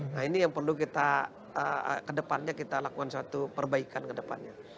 nah ini yang perlu kita kedepannya kita lakukan suatu perbaikan ke depannya